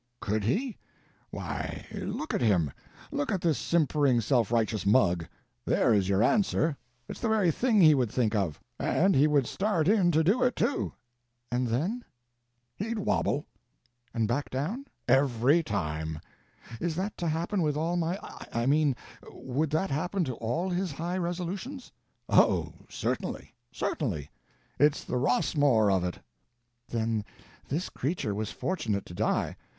"Could he? Why, look at him—look at this simpering self righteous mug! There is your answer. It's the very thing he would think of. And he would start in to do it, too." "And then?" "He'd wobble." "And back down?" "Every time." "Is that to happen with all my—I mean would that happen to all his high resolutions?" "Oh certainly—certainly. It's the Rossmore of it." "Then this creature was fortunate to die!